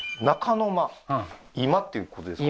居間っていうことですか？